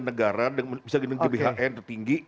negara yang bisa gini gbhn tertinggi